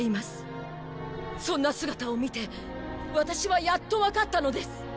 そんな姿を見てワタシはやっとわかったのです。